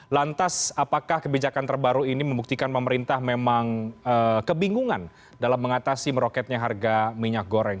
lantas apakah kebijakan terbaru ini membuktikan pemerintah memang kebingungan dalam mengatasi meroketnya harga minyak goreng